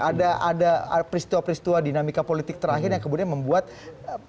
ada ada peristiwa peristiwa dinamika politik terakhir yang kemudian membuat dinamika atau politik yang terakhir